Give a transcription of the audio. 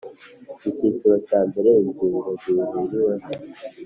Icyiciro cya mbere Ingingo zihuriweho